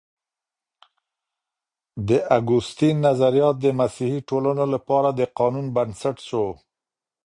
د اګوستين نظريات د مسيحي ټولنو لپاره د قانون بنسټ سو.